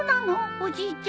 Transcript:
おじいちゃん。